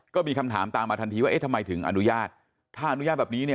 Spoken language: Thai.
ก็มีคำถามตามมาทันทีว่าเอ๊ะทำไมถึงอนุญาตถ้าอนุญาตแบบนี้เนี่ย